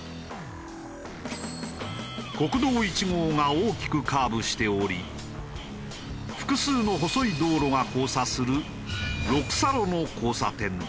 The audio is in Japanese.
国道１号が大きくカーブしており複数の細い道路が交差する六差路の交差点だ。